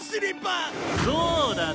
そうだな。